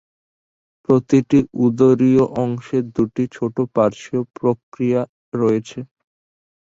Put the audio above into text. প্রতিটি উদরীয় অংশের দুটি ছোট পার্শ্বীয় প্রক্রিয়া রয়েছে।